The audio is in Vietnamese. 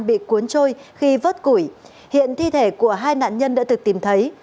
bị cuốn trôi khi vớt củi hiện thi thể của hai nạn nhân đã được tìm thấy